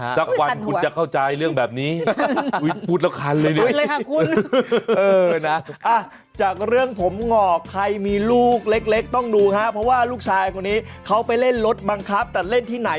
สักวันหนึ่งคุณจะเข้าใจนะครับคันหัว